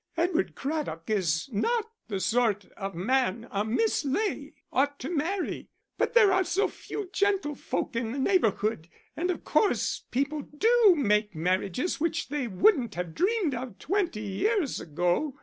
"Edward Craddock is not the sort of man a Miss Ley ought to marry. But there are so few gentlefolk in the neighbourhood, and of course people do make marriages which they wouldn't have dreamed of twenty years ago.